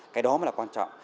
cái đó mới là quan trọng